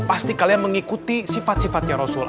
pasti kalian mengikuti sifat sifatnya rasulullah